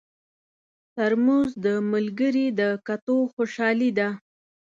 ترموز د ملګري د کتو خوشالي ده.